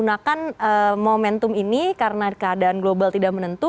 jadi makin kuat justru kita menggunakan momentum ini karena keadaan global tidak menentu